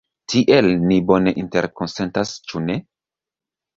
Tiel, ni bone interkonsentas, ĉu ne?